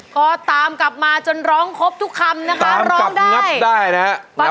ก็ต่ำกลับมาจนร้องครบทุกคำนะคะร้องได้ต่ำกลับกันได้นะฮะ